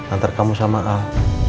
antar kamu sama al